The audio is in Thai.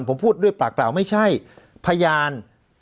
ผมพูดด้วยปากเปล่าไม่ใช่พยาน